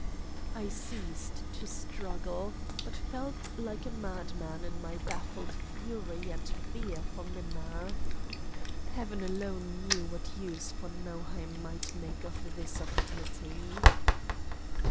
I ceased to struggle, but felt like a madman in my baffled fury and fear for Minna. Heaven alone knew what use von Nauheim might make of this opportunity.